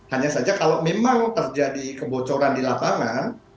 hanya saja kalau memang terjadi kebocoran di lapangan